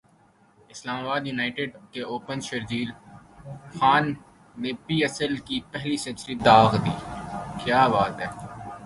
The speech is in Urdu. اسلام ابادیونائیٹڈ کے اوپنر شرجیل خان نے پی ایس ایل کی پہلی سنچری داغ دی